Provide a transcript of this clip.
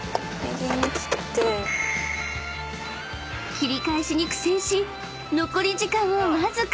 ［切り返しに苦戦し残り時間はわずか！］